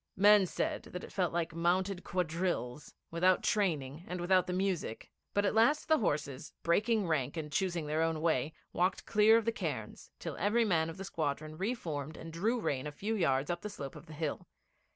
Men said that it felt like mounted quadrilles without training and without the music; but at last the horses, breaking rank and choosing their own way, walked clear of the cairns, till every man of the squadron re formed and drew rein a few yards up the slope of the hill.